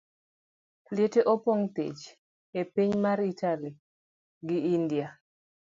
Liete opong' thich e piny mar Italy gi India.